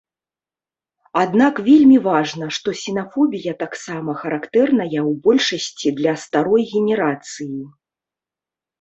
Аднак вельмі важна, што сінафобія таксама характэрная ў большасці для старой генерацыі.